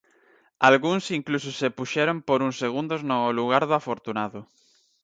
Algúns incluso se puxeron por uns segundos no lugar do afortunado.